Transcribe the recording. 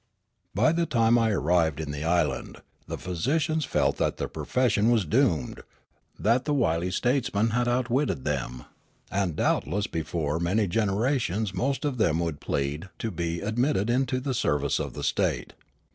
By the time I arrived in the island, the phj'sicians felt that their profession was doomed, that the wily statesman had outwitted them ; and doubtless before many generations most of them would plead to be ad mitted into the service of the state.